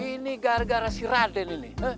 ini gara gara si raden ini